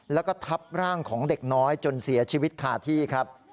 แล้วก็ทับร่างของเด็กน้อยจนเสียชีวิตคาที่ครับ